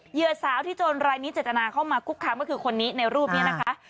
เหยื่อสาวที่โจรรายนี้เจตนาเข้ามาคุกคำก็คือคนนี้ในรูปนี้นะคะ